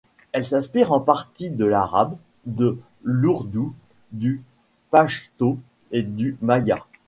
Elle s'inspire en partie de l'arabe, de l'ourdou, du pachto, et du maya.